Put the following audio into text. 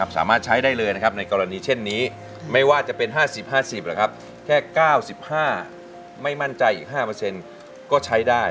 สามารถใช้ได้เลยนะครับในกรณีเช่นนี้ไม่ว่าจะเป็น๕๐๕๐หรือครับแค่๙๕ไม่มั่นใจอีก๕ก็ใช้ได้